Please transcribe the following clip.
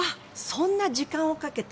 そんな時間をかけた。